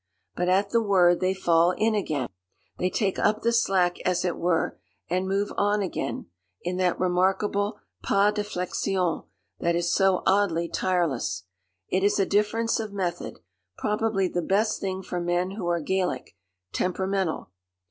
But at the word they fall in again. They take up the slack, as it were, and move on again in that remarkable pas de flexion that is so oddly tireless. It is a difference of method; probably the best thing for men who are Gallic, temperamental.